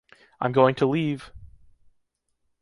I’m going to leave! ...